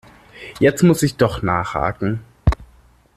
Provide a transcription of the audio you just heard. Jetzt muss ich doch nachhaken.